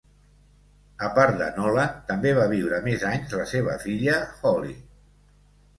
A part de Nolan, també va viure més anys la seva filla, Holly.